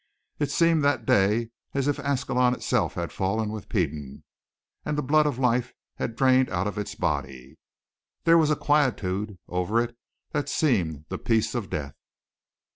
It seemed that day as if Ascalon itself had fallen with Peden, and the blood of life had drained out of its body. There was a quietude over it that seemed the peace of death.